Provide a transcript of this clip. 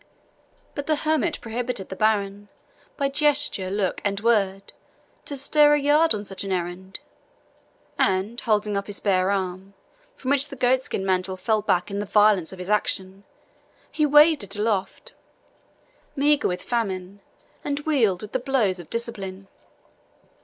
But the hermit prohibited the baron, by gesture, look, and word, to stir a yard on such an errand; and holding up his bare arm, from which the goatskin mantle fell back in the violence of his action, he waved it aloft, meagre with famine, and wealed with the blows of the discipline.